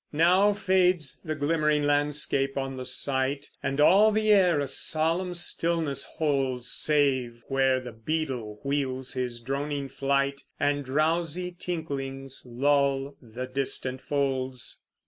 Now fades the glimmering landscape on the sight, And all the air a solemn stillness holds, Save where the beetle wheels his droning flight, And drowsy tinklings lull the distant folds.